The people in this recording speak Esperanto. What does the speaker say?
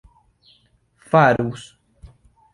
farus